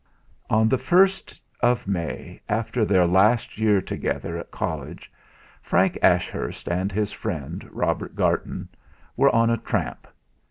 On the first of May, after their last year together at college, Frank Ashurst and his friend Robert Garton were on a tramp.